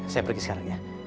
saya pergi sekarang ya